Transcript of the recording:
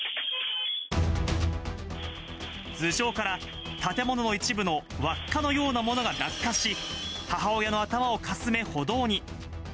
頭上から、建物の一部の輪っかのようなものが落下し、母親の頭をかすめ、歩道に。